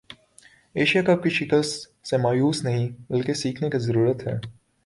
Asia cup کی شکست سے مایوس نہیں بلکہ سیکھنے کی ضرورت ہے